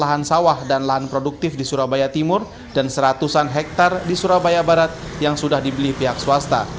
lahan sawah dan lahan produktif di surabaya timur dan seratusan hektare di surabaya barat yang sudah dibeli pihak swasta